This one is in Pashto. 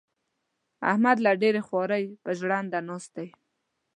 احمد له ډېرې خوارۍ؛ پر ژنده ناست دی.